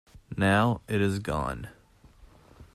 Now it is gone.